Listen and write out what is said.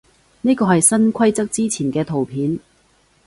呢個係新規則之前嘅圖片